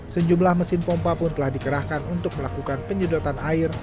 sejumlah mesin pompa pun telah dikerahkan untuk melakukan penyedotan air